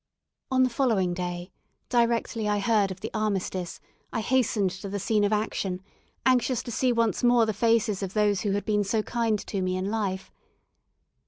On the following day, directly I heard of the armistice, I hastened to the scene of action, anxious to see once more the faces of those who had been so kind to me in life.